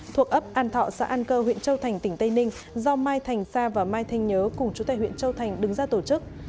thuộc ấp an thọ xã an cơ huyện châu thành tỉnh tây ninh do mai thành sa và mai thanh nhớ cùng chú tài huyện châu thành đứng ra tổ chức